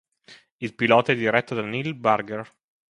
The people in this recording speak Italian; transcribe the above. Il pilota è diretto da Neil Burger.